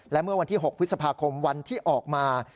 และเมื่อวันที่๖พฤษภาคมวันที่ออกมา